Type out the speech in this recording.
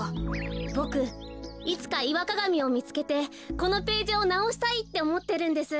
ボクいつかイワカガミをみつけてこのページをなおしたいっておもってるんです。